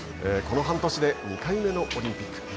この半年で２回目のオリンピック。